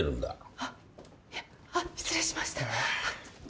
あっいえあっ失礼しました。